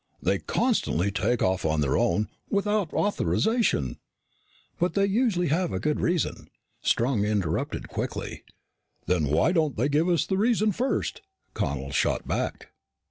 They constantly take off on their own, without authorization " "But they usually have a good reason," Strong interrupted quickly. "Then why don't they give us the reason first?" Connel shot back.